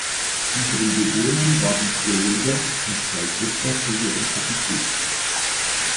Unter den Bewohnern waren vier Jäger und zwei Fischer sowie ein Katechet.